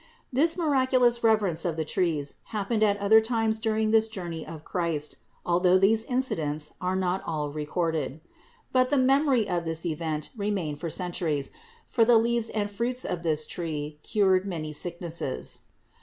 This miraculous reverence of the trees happened at other times during this journey of Christ, although these incidents are not all recorded. But the memory of this event remained for centuries, for the leaves and fruits of this tree cured many sicknesses.